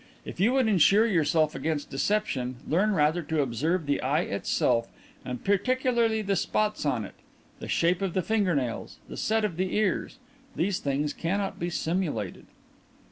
If you would ensure yourself against deception, learn rather to observe the eye itself, and particularly the spots on it, the shape of the fingernails, the set of the ears. These things cannot be simulated."